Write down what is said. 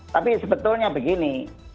tapi sebetulnya begini